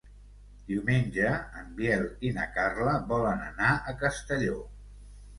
Diumenge en Biel i na Carla volen anar a Castelló.